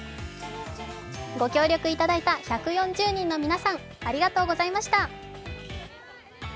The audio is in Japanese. ご協力いただいた１４０人の皆さん、ありがとうございました。